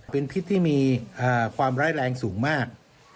เป็นพิษที่มีความร้ายแรงสูงมาก